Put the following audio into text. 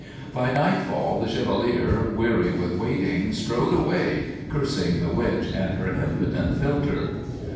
By nightfall the Chevalier, weary with waiting, strode away, cursing the witch and her impotent philter.